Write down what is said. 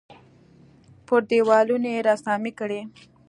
پر دېوالونو یې رسامۍ کړي.